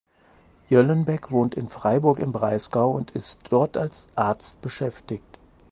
Jöllenbeck wohnt in Freiburg im Breisgau und ist dort als Arzt beschäftigt.